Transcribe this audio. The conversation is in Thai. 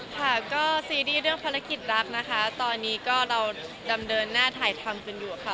ค่ะก็ซีรีส์เรื่องภารกิจรักนะคะตอนนี้ก็เราดำเนินหน้าถ่ายทำกันอยู่ค่ะ